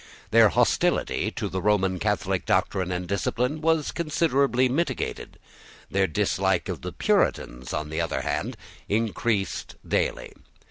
Their hostility to the Roman Catholic doctrine and discipline was considerably mitigated. Their dislike of the Puritans, on the other hand, increased daily.